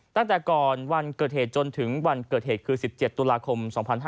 ตั้งแต่ก่อนวันเกิดเหตุจนถึงวันเกิดเหตุคือ๑๗ตุลาคม๒๕๕๙